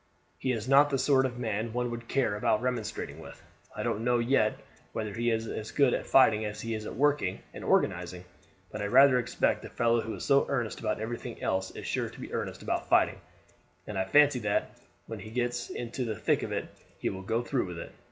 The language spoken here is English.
He is not the sort of man one would care about remonstrating with. I don't know yet whether he is as good at fighting as he is at working and organizing; but I rather expect a fellow who is so earnest about everything else is sure to be earnest about fighting, and I fancy that when he once gets into the thick of it he will go through with it.